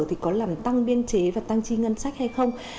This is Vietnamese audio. thì có làm tăng biên chế và tăng chi ngân sách hay không